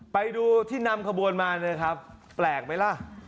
ไปดูที่นำขบวนมานะครับแปลกไหมล่ะ